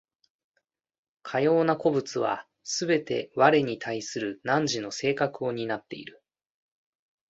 かような個物はすべて我に対する汝の性格を担っている。